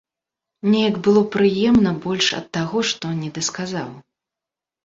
Неяк было прыемна больш ад таго, што не дасказаў.